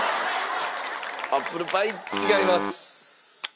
アップルパイ違います。